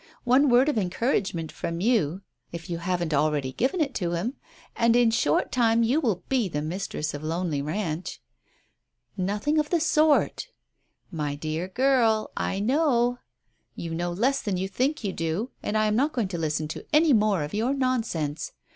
One word of encouragement from you, if you haven't already given it to him, and in a short time you will be the mistress of Lonely Ranch." "Nothing of the sort" "My dear girl, I know." "You know less than you think you do, and I am not going to listen to any more of your nonsense."